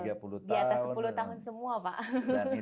di atas sepuluh tahun semua pak